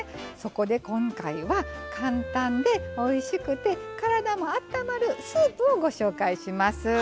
そこで今回は簡単でおいしくて体もあったまるスープをご紹介します。